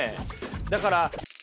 だから。